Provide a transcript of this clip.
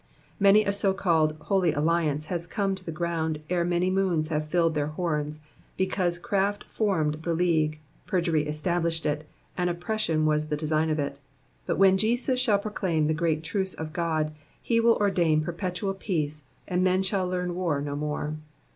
!Muny a so called Holy Alliance has come to the ground ere many moons have tilled their horns, because craft formed the league, perjury established it, and oppression was the design of it ; but when Jesus shall proclaim the great Truce of God, he will ordain perpetual peace, and men shall learn war no more.